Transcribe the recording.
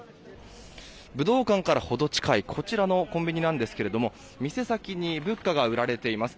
武道館から程近いこちらのコンビニなんですけれども店先に仏花が売られています。